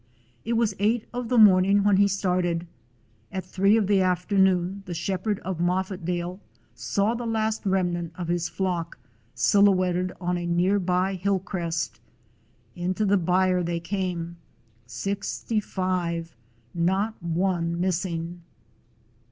It was eight of the morning when he started; at three in the afternoon the shep herd of Moffatdale saw the last remnant of his flock silhouetted on a near by hill crest. Into the byre they came; sixty five — not one missing.